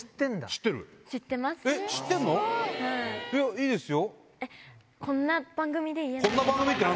いいですよ。